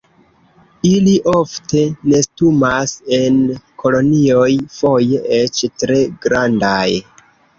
Ili ofte nestumas en kolonioj, foje eĉ tre grandaj.